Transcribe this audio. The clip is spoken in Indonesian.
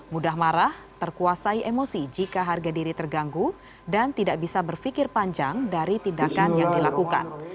mudah marah terkuasai emosi jika harga diri terganggu dan tidak bisa berpikir panjang dari tindakan yang dilakukan